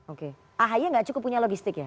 oke ahy gak cukup punya logistik ya